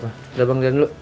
yaudah bang jalan dulu